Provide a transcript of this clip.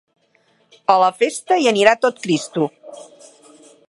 A la festa hi anirà tot Cristo.